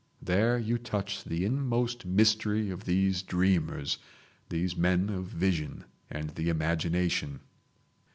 There you touch the inmost mystery of these dreamers, these men of vision and the imagination.